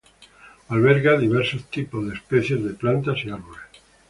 Alberga diversos tipos de especies de plantas y árboles.